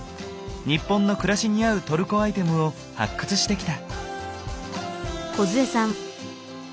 日本の暮らしに合うトルコアイテムを発掘してきた。